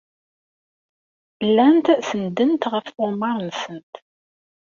Llant senndent ɣef tɣemmar-nsent.